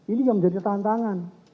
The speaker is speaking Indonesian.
ini yang menjadi tantangan